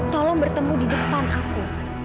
tolong bertemu di depan aku